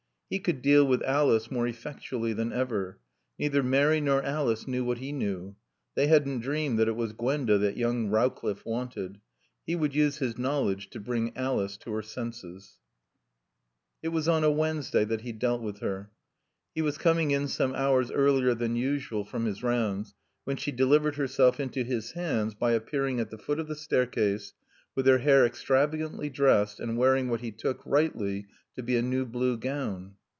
He could deal with Alice more effectually than ever. Neither Mary nor Alice knew what he knew. They hadn't dreamed that it was Gwenda that young Rowcliffe wanted. He would use his knowledge to bring Alice to her senses. It was on a Wednesday that he dealt with her. He was coming in some hours earlier than usual from his rounds when she delivered herself into his hands by appearing at the foot of the staircase with her hair extravagantly dressed, and wearing what he took, rightly, to be a new blue gown.